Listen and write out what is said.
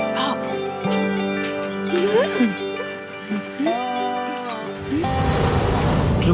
ปล่อย